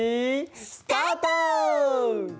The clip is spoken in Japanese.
スタート！